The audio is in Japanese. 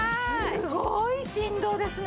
すごい振動ですね！